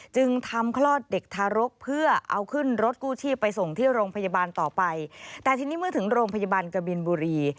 จึงทำคลอดเด็กทารกเพื่อเอาขึ้นรถกู้ชีพไปส่งที่โรงพยาบาลต่อไปแต่ทีนี้เมื่อถึงโรงพยาบาลกบินบุรี